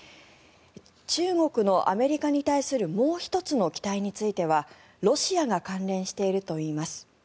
中国のアメリカに対するもう１つの期待についてはロシアが関連しているといいます。